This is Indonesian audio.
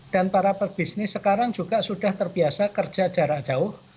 dan para pebisnis sekarang juga sudah terbiasa kerja jarak jauh